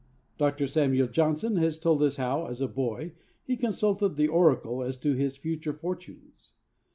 Dr. Samuel Johnson has told us how, as a boy, he consulted the oracle as to his future fortunes.